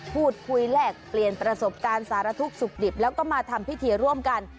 พูดคุยแลกเปลี่ยนประสบการณ์สารทุกข์สุขดิบแล้วก็มาทำพิธีร่วมกัน